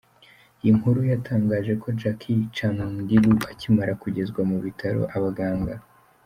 iyi nkuru, yatangaje ko Jackie Chandiru akimara kugezwa mu bitaro, abaganga.